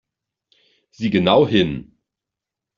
Sieh genau hin!